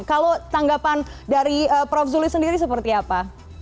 kalau tanggapan dari prof zulis sendiri seperti apa